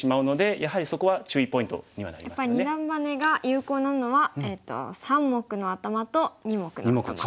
やっぱり二段バネが有効なのは三目のアタマと二目のアタマ。